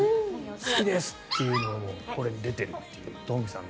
好きですっていうのがこれに出ているという。